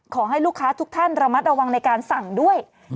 ขอให้ลูกค้าทุกท่านระมัดระวังในการสั่งด้วย